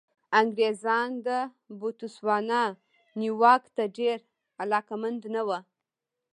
انګرېزان د بوتسوانا نیواک ته ډېر علاقمند نه وو.